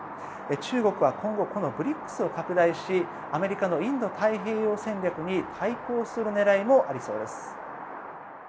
中国は今後このＢＲＩＣＳを拡大しアメリカのインド太平洋戦略に対抗する狙いもありそうです。